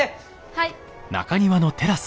はい。